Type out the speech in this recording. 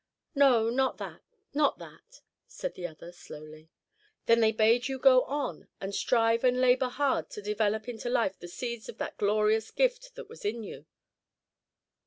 "No; not that, not that," said the other, slowly. "Then they bade you go on, and strive and labor hard to develop into life the seeds of that glorious gift that was in you?"